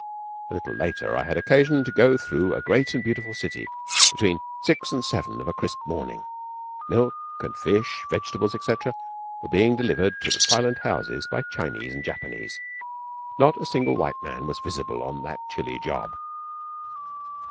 A little later I had occasion to go through a great and beautiful city between six and seven of a crisp morning. Milk and fish, vegetables, etc., were being delivered to the silent houses by Chinese and Japanese. Not a single white man was visible on that chilly job.